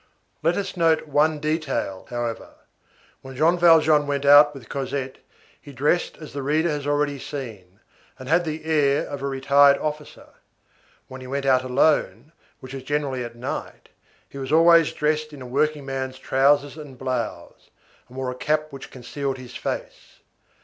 Let us note one detail, however; when Jean Valjean went out with Cosette, he dressed as the reader has already seen, and had the air of a retired officer. When he went out alone, which was generally at night, he was always dressed in a workingman's trousers and blouse, and wore a cap which concealed his face.